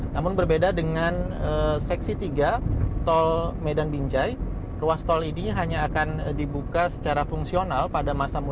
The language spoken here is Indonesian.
namun berbeda dengan seksi tiga tol medan binjai ruas tol ini hanya akan dibuka secara fungsional pada masa mudik